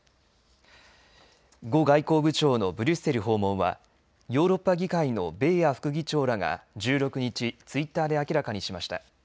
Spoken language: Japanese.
呉外交部長のブリュッセル訪問はヨーロッパ議会のベーア副議長らが１６日、ツイッターで明らかにしました。